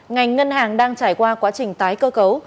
ngành ngân hàng đang trải qua quá trình tái cơ cấu